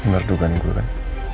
emang merdugan gue kan